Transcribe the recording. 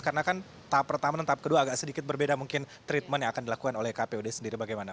karena kan tahap pertama dan tahap kedua agak sedikit berbeda mungkin treatment yang akan dilakukan oleh kpud sendiri bagaimana